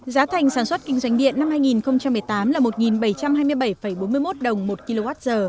giá thành sản xuất kinh doanh điện năm hai nghìn một mươi tám là một bảy trăm hai mươi bảy bốn mươi một đồng một kwh